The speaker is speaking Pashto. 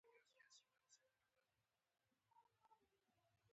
د بیت المقدس له همدې تاریخي دروازې ننوتلو.